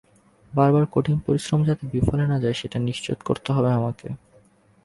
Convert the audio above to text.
বাবার কঠিন পরিশ্রম যাতে বিফলে না যায় সেটা নিশ্চিত করতে হবে আমাকে।